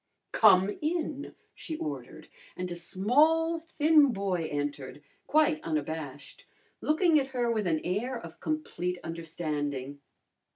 "Come in!" she ordered, and a small thin boy entered, quite unabashed, looking at her with an air of complete understanding.